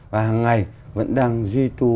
và hằng ngày vẫn đang duy thu